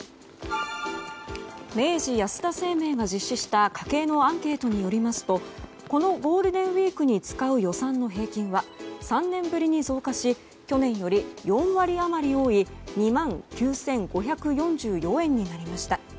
明治安田生命が実施した家計のアンケートによりますとこのゴールデンウィークに使う予算の平均は３年ぶりに増加し去年より４割余り多い２万９５４４円になりました。